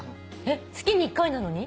えっ月に１回なのに？